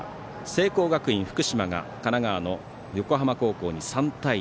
聖光学院、福島が神奈川の横浜高校に３対２。